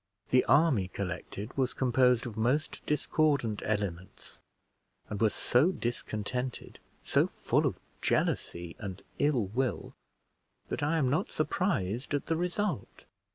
The army collected was composed of most discordant elements, and were so discontented, so full of jealousy and ill will, that I am not surprised at the result.